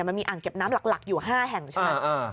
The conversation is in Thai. มันมีอ่างเก็บน้ำหลักอยู่๕แห่งใช่ไหม